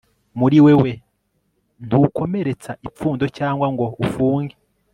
Muri wewe ntukomeretsa ipfundo cyangwa ngo ufunge